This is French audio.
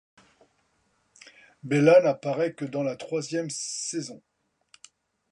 Bela n'apparait que dans la troisième saison.